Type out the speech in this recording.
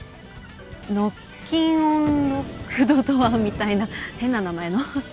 ノッキンオン・ロックドドアみたいな変な名前の。